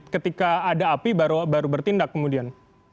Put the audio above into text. ketika ada api baru bertindak kemudian